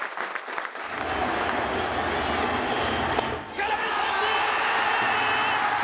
空振り三振！